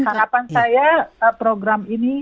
harapan saya program ini